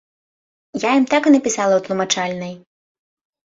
Я ім так і напісала ў тлумачальнай.